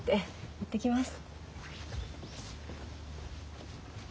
行ってきます。